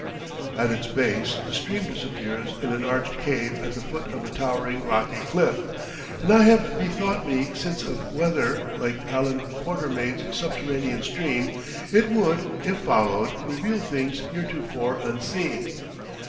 At its base, a stream disappears in an arched cave at the foot of a towering rocky cliff, and I have bethought me since of whether, like Allan Quatermain's subterranean stream, it would, if followed, reveal things heretofore unseen.